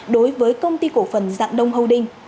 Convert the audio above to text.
đối với công ty cổ phần dạng đông hâu đinh